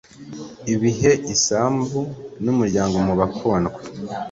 Ibihe isambu numuryango mubakundwa